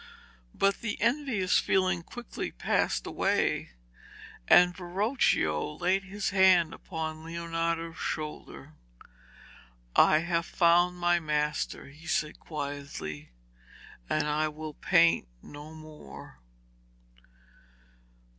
But the envious feeling passed quickly away, and Verocchio laid his hand upon Leonardo's shoulder. 'I have found my master,' he said quietly, 'and I will paint no more.'